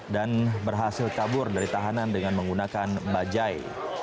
dan berhasil kabur dari tahanan dengan menggunakan bajai